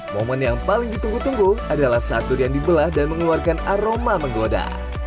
momen yang paling ditunggu tunggu adalah saat durian dibelah dan mengeluarkan aroma menggoda